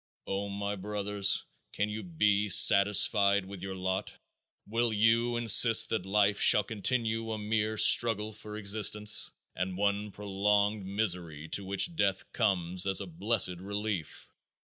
Oh, my brothers, can you be satisfied with your lot? Will you insist that life shall continue a mere struggle for existence and one prolonged misery to which death comes as a blessed relief?